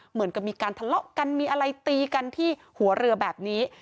เหมือนกับมีการทะเลาะกันมีอะไรตีกันที่หัวเรือแบบนี้